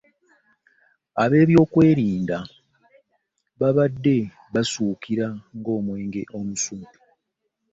Abebyokwerinda babadde basukira nga omwenge omussu.